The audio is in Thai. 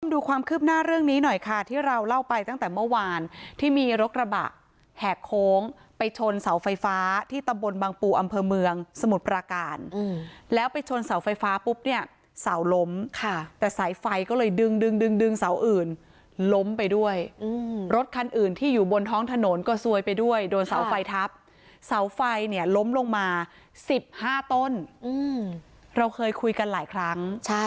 ดูความคืบหน้าเรื่องนี้หน่อยค่ะที่เราเล่าไปตั้งแต่เมื่อวานที่มีรถกระบะแหกโค้งไปชนเสาไฟฟ้าที่ตำบลบังปูอำเภอเมืองสมุทรปราการแล้วไปชนเสาไฟฟ้าปุ๊บเนี่ยเสาล้มค่ะแต่สายไฟก็เลยดึงดึงดึงเสาอื่นล้มไปด้วยรถคันอื่นที่อยู่บนท้องถนนก็ซวยไปด้วยโดนเสาไฟทับเสาไฟเนี่ยล้มลงมาสิบห้าต้นเราเคยคุยกันหลายครั้งใช่